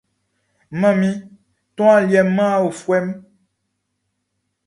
Manmin ton aliɛ man awlobofuɛ mun.